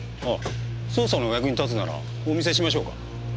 ああ捜査のお役に立つならお見せしましょうか。